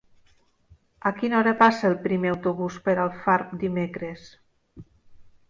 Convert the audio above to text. A quina hora passa el primer autobús per Alfarb dimecres?